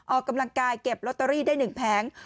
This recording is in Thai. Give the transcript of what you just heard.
ออกกำลังกายเก็บลอตเตอรี่ได้๑แผง